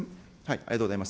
ありがとうございます。